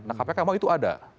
nah kpk mau itu ada